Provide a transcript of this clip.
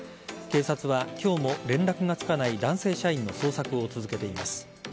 警察は今日も連絡がつかない男性社員の捜索を続けています。